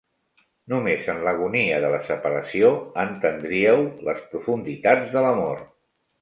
Només en l'agonia de la separació entendríeu les profunditats de l'amor.